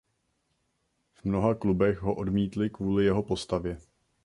V mnoha klubech ho odmítli kvůli jeho postavě.